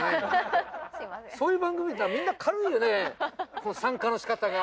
そういう番組みんな。